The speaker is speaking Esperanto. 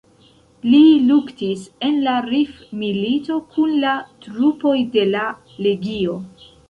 Li luktis en la Rif-milito kun la trupoj de la Legio.